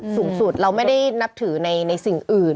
สูงสุดเราไม่ได้นับถือในสิ่งอื่น